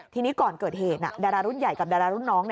ทีนี้ก่อนเกิดเหตุดารารุ่นใหญ่กับดารารุ่นน้อง